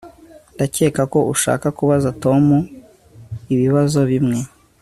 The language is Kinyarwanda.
Ndakeka ko ushaka kubaza Tom ibibazo bimwe